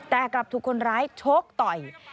แต่กลับถูกคนร้ายชกต่อย